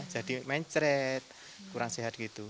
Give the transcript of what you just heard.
jadi mencret kurang sehat gitu